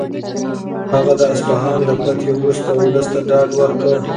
هغه د اصفهان له فتحې وروسته ولس ته ډاډ ورکړ.